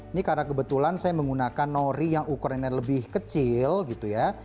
ini karena kebetulan saya menggunakan nori yang ukurannya lebih kecil gitu ya